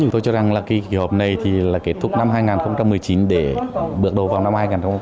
chúng tôi cho rằng là cái kỳ họp này thì là kết thúc năm hai nghìn một mươi chín để bước đầu vào năm hai nghìn hai mươi